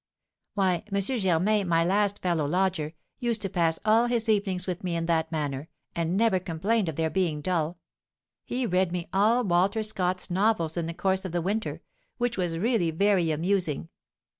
Why, M. Germain, my last fellow lodger, used to pass all his evenings with me in that manner, and never complained of their being dull. He read me all Walter Scott's novels in the course of the winter, which was really very amusing.